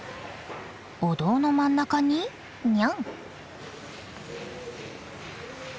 お堂の真ん中にニャン。